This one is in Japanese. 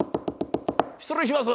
失礼します。